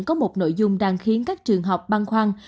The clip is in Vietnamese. có một nội dung đang khiến các trường học băng khoan